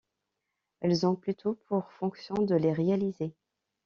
Elles ont plutôt pour fonction de les réaliser.